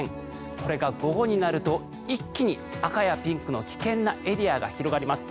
これが午後になると一気に赤やピンクの危険なエリアが広がります。